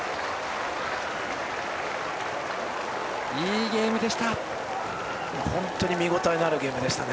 いいゲームでした。